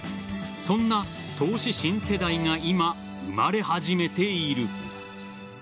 そんな投資新世代が今、生まれ始めている。